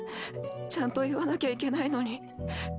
ちゃんといわなきゃいけないのに。